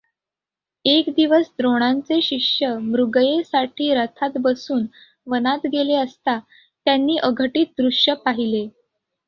एक दिवस द्रोणांचे शिष्य मृगयेसाठी रथात बसून वनात गेले असता त्यांनी अघटित दृश्य पाहिले.